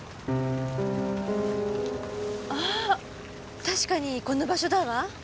ああ確かにこの場所だわ。